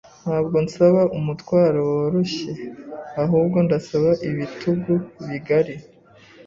Ntabwo nsaba umutwaro woroshye, ahubwo ndasaba ibitugu bigari.